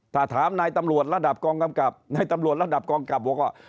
ถ้าถามนายตำรวจระดับกองกำกับนายตำรวจระดับกองกลับบอกว่า